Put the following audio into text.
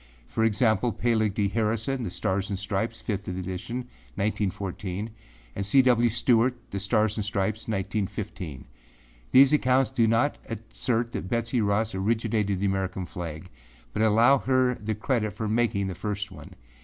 See for example; Peleg D. Harrison, The Stars and Stripes, 5th edition, 1914., and C. W. Stewart, The Stars and Stripes, 1915. These accounts do not assert that Betsey Ross originated the American flag but allow her the credit of making the first one.